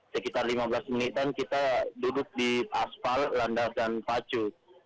sekitar lima belas menitan kita duduk di asfal landas dan pacu